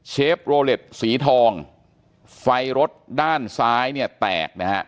เชฟโรเล็ตสีทองไฟรถด้านซ้ายเนี่ยแตกนะฮะ